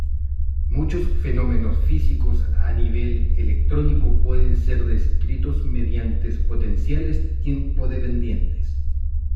Muchos fenómenos físicos a nivel electrónico pueden ser descritos mediante potenciales tiempo-dependientes.